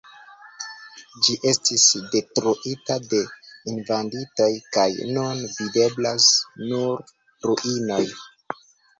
Ĝi estis detruita de invadintoj, kaj nun videblas nur ruinoj.